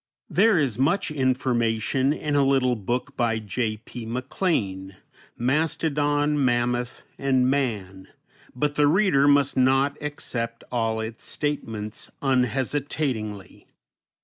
There is much information in a little book by J. P. MacLean, "Mastodon, Mammoth, and Man," but the reader must not accept all its statements unhesitatingly.